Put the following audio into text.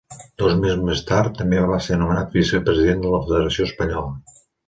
Dos mesos més tard també va ser nomenat vicepresident de la Federació Espanyola.